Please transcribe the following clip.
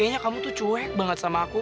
kayaknya kamu tuh cuek banget sama aku